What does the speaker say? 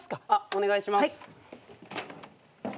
お願いします。